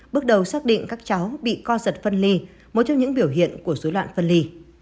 bước đầu xác định các cháu bị co giật phân ly một trong những biểu hiện của dối loạn phân ly